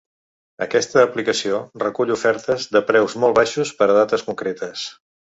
Aquesta aplicació recull ofertes de preus molt baixos per a dates concretes.